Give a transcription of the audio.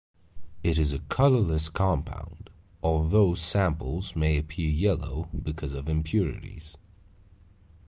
It is a colourless compound although samples may appear yellow because of impurities.